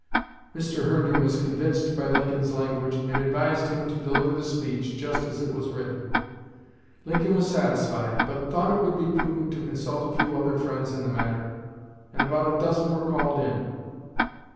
Mr. Herndon was convinced by Lincoln's language, and advised him to deliver the speech just as it was written. Lincoln was satisfied, but thought it would be prudent to consult a few other friends in the matter, and about a dozen were called in.